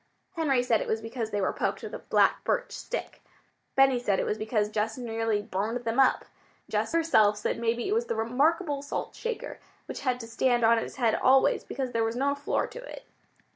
Henry said it was because they were poked with a black birch stick. Benny said it was because Jess nearly burned them up. Jess herself said maybe it was the remarkable salt shaker which had to stand on its head always, because there was no floor to it.